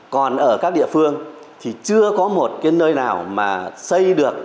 còn ở các địa phương thì chưa có một cái nơi nào mà xây được